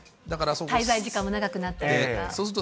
滞在時間も長くなったりとか。